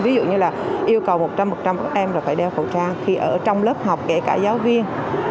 ví dụ như là yêu cầu một trăm linh các em là phải đeo khẩu trang khi ở trong lớp học kể cả giáo viên